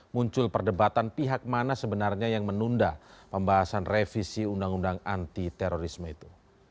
muncul perdebatan pihak mana sebenarnya yang menunda pembahasan revisi undang undang anti terorisme itu